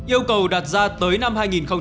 yêu cầu đặt ra tới năm hai nghìn hai mươi năm